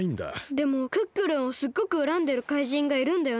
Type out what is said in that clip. でもクックルンをすっごくうらんでる怪人がいるんだよね？